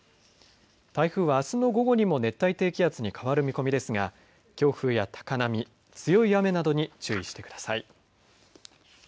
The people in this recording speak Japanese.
台風は、あすの午後にも熱帯低気圧に変わる見込みですが強風や高波、強い雨などに注意してください。